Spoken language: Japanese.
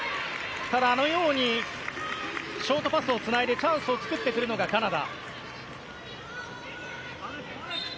ただ、あのようにショートパスをつないでチャンスを作ってくるのがカナダ。